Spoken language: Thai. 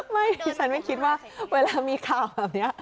ดิฉันไม่คิดว่าเวลามีข่าวแบบนี้